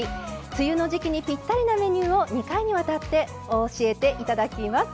梅雨の時期にぴったりなメニューを２回にわたって教えていただきます。